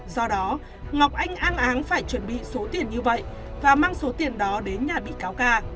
do đó ngọc anh ang áng phải chuẩn bị số tiền như vậy và mang số tiền đó đến nhà bị cáo ca